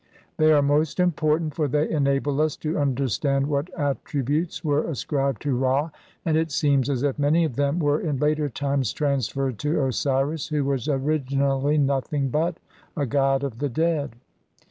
They are most important, for they enable us to under stand what attributes were ascribed to Ra, and it seems as if many of them were, in later times, trans ferred to Osiris, who was originally nothing but a god of the dead.